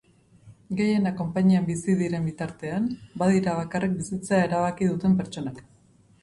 Gehienak konpainian bizi diren bitartean, badira bakarrik bizitzea erabaki duten pertsonak.